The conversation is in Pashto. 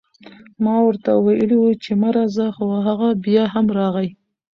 ما ورته وئيلي وو چې مه راځه، خو هغه بيا هم راغی